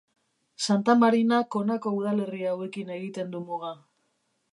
Santa Marinak honako udalerri hauekin egiten du muga.